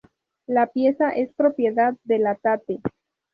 La pieza es propiedad de la Tate.